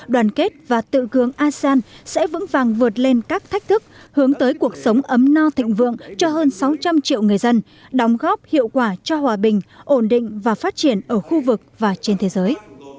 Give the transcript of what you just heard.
đoàn kết và tự gương asean sẽ vững vàng vượt lên các thách thức hướng tới cuộc sống ấm no thịnh vượng cho hơn sáu trăm linh triệu người dân đóng góp hiệu quả cho hòa bình ổn định và phát triển ở khu vực và trên thế giới